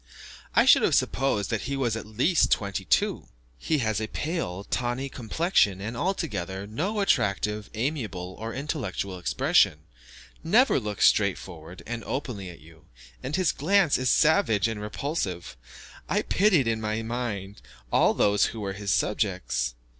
I should have supposed that he was at least twenty two. He has a pale, tawny complexion, and, altogether, no attractive, amiable, or intellectual expression; never looks straightforward and openly at you, and his glance is savage and repulsive. I pitied, in my mind, all those who were his subjects.